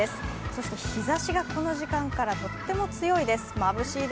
そして、日ざしがこの時間からとっても強いです。